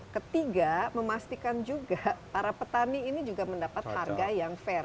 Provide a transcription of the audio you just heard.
ketiga memastikan juga para petani ini juga mendapat harga yang fair